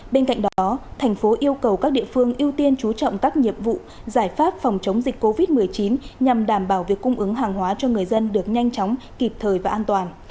bên cạnh đó thành phố yêu cầu các địa phương ưu tiên chú trọng các nhiệm vụ giải pháp phòng chống dịch covid một mươi chín nhằm đảm bảo việc cung ứng hàng hóa cho người dân được nhanh chóng kịp thời và an toàn